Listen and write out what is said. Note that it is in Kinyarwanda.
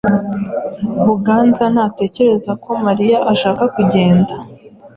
Buganza ntatekereza ko Mariya ashaka kugenda.